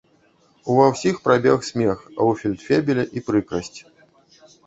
Ува ўсіх прабег смех, а ў фельдфебеля і прыкрасць.